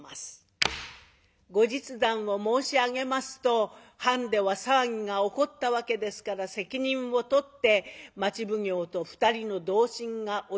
後日談を申し上げますと藩では騒ぎが起こったわけですから責任を取って町奉行と２人の同心がお役御免となりました。